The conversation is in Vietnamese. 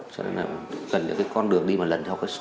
cho nên là cần những cái con đường đi một lần theo cái số